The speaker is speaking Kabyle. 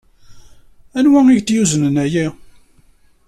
Anwa ay ak-d-yuznen aya?